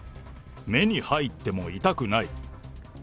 目に入っても痛くない。